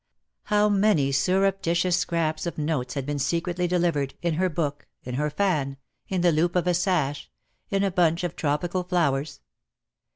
How many surreptitious scraps of notes had been secretly delivered — in her book — in her fan — in the loop of a sash — in a bunch of tropical flowers?